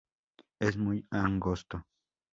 Es muy angosto.